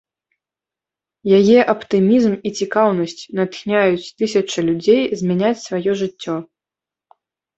Яе аптымізм і цікаўнасць натхняюць тысячы людзей змяняць сваё жыццё.